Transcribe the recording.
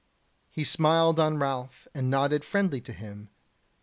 He smiled on Ralph and nodded friendly to him.